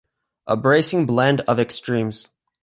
A bracing blend of extremes.